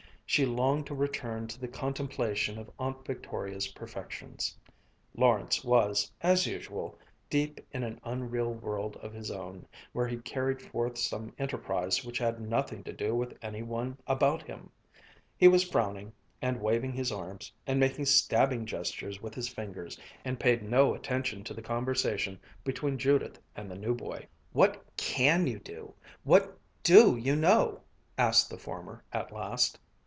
She longed to return to the contemplation of Aunt Victoria's perfections. Lawrence was, as usual, deep in an unreal world of his own, where he carried forth some enterprise which had nothing to do with any one about him. He was frowning and waving his arms, and making stabbing gestures with his fingers, and paid no attention to the conversation between Judith and the new boy. "What can you do? What do you know?" asked the former at last.